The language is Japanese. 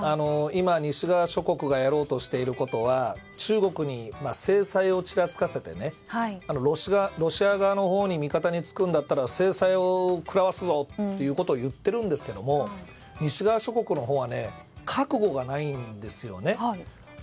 今、西側諸国がやろうとしていることは中国に制裁をちらつかせてロシア側のほうに味方に付くんだったら制裁を食らわすぞということを言っているんですけれども西側諸国のほうは覚悟がないんですよね。